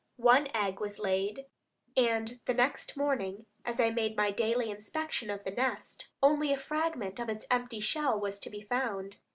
One egg was laid, and the next morning, as I made my daily inspection of the nest, only a fragment of its empty shell was to be found.